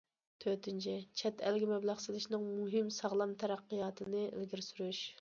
تۆتىنچى، چەت ئەلگە مەبلەغ سېلىشنىڭ مۇقىم، ساغلام تەرەققىياتىنى ئىلگىرى سۈرۈش.